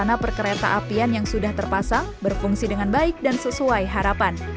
sarana perkereta apian yang sudah terpasang berfungsi dengan baik dan sesuai harapan